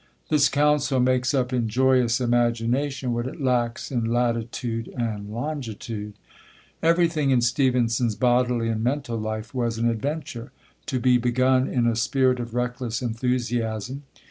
This counsel makes up in joyous imagination what it lacks in latitude and longitude. Everything in Stevenson's bodily and mental life was an adventure, to be begun in a spirit of reckless enthusiasm.